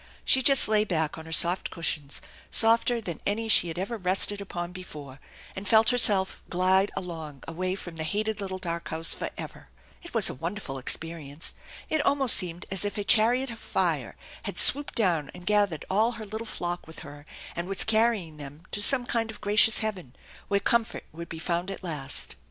She just lay back on her soft cushions, softer than any she had ever rested upon before, and felt herself glide along away from the hated little dark house forever! It was a wonderful ex perience. It almost seemed as if a chariot of fire had swooped down and gathered all her little flock with her, and was carrying them tc some kind of gracious heaven where comfort would be found at last.